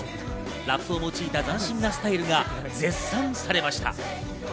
ラップを用いた斬新なスタイルが絶賛されました。